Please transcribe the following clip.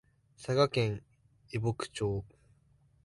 佐賀県江北町